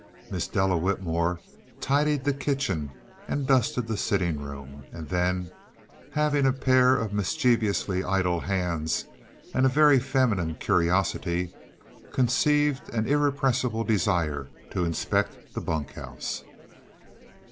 Miss Della Whitmore tidied the kitchen and dusted the sitting room, and then, having a pair of mischievously idle hands and a very feminine curiosity, conceived an irrepressible desire to inspect the bunk house.